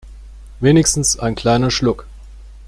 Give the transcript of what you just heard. Wenigstens ein kleiner Schluck.